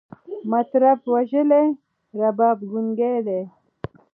مطرب وژلی، رباب ګونګی دی